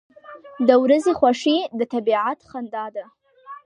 • د ورځې خوښي د طبیعت خندا ده.